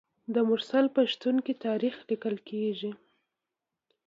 د مرسل په شتون کې تاریخ لیکل کیږي.